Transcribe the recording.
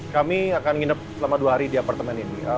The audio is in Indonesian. kami akan nginep selama dua hari di apartemen ini